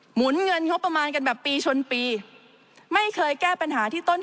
หนุนเงินงบประมาณกันแบบปีชนปีไม่เคยแก้ปัญหาที่ต้น